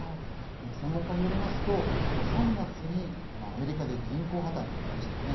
専門家によりますと、３月にアメリカで銀行破綻がありましたよね。